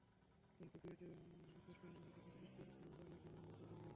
কিন্তু ডুয়োতে ফেসটাইমের মতো শুধু ব্যক্তির ফোন নম্বর লাগবে, নিবন্ধনের প্রয়োজন নেই।